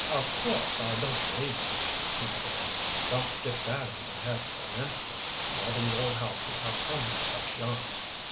"Of course I don't believe them," he began. "Don't get that in your head for an instant. All these old houses have some such yarns.